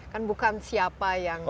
kan bukan siapa yang